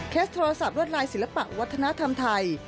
โทรศัพท์ลวดลายศิลปะวัฒนธรรมไทย